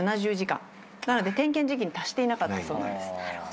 なので点検時期に達していなかったそうです。